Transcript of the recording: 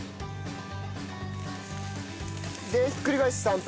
でひっくり返して３分？